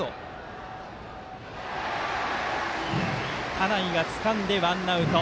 田内がつかんで、ワンアウト。